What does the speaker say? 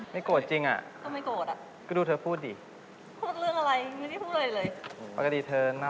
หรอก็ไม่ได้โกรธอะไรสักหน่อย